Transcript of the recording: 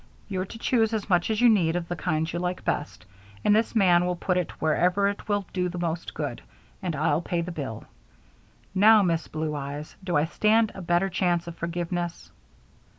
You're to choose as much as you need of the kinds you like best, and this man will put it wherever it will do the most good, and I'll pay the bill. Now, Miss Blue Eyes, do I stand a better chance of forgiveness?"